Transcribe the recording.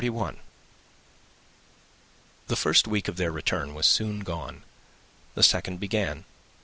The first week of their return was soon gone. The second began.